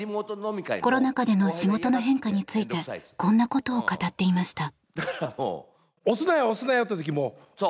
コロナ禍での仕事の変化についてこんなことを語っていました。